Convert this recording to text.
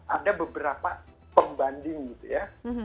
ada beberapa pembanding gitu ya